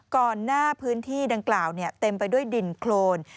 ก่อนหน้าพื้นที่ดังกล่าวเต็มไปด้วยดินโครน